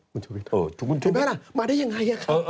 คุณชุวิตมาได้ยังไงอะคะ